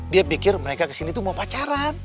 dia pikir mereka kesini tuh mau pacaran